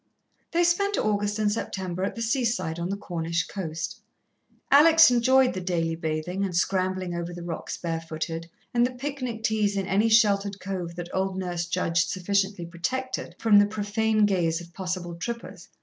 They spent August and September at the seaside on the Cornish coast. Alex enjoyed the daily bathing, and scrambling over the rocks barefooted, and the picnic teas in any sheltered cove that old Nurse judged sufficiently protected from the profane gaze of possible trippers.